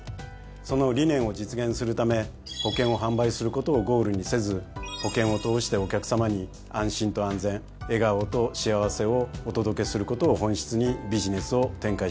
その理念を実現するため保険を販売することをゴールにせず保険を通してお客さまに「安心と安全」「笑顔と幸せ」をお届けすることを本質にビジネスを展開してきました。